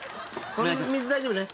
この水大丈夫ね？